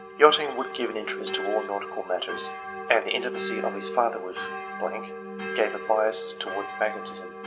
] "Yachting would give an interest to all nautical matters, and the intimacy of his father with .... gave a bias towards magnetism.